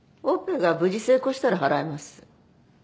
オペが無事成功したら払います。